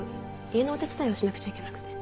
家のお手伝いをしなくちゃいけなくて。